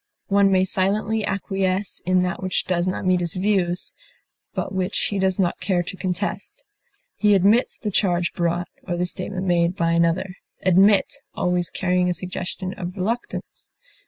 One may silently acquiesce in that which does not meet his views, but which he does not care to contest. He admits the charge brought, or the statement made, by another admit always carrying a suggestion of reluctance.